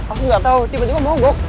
aku gak tau tiba tiba mabuk